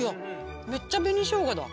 めっちゃ紅しょうがだ。